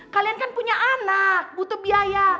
kalian kan punya anak butuh biaya